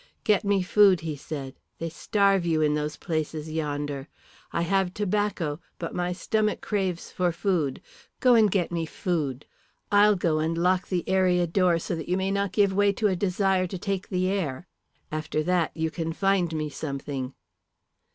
"Get me food," he said; "they starve you in those places yonder. I have tobacco, but my stomach craves for food. Go and get me food. I'll go and lock the area door so that you may not give way to a desire to take the air. After that you can find me something."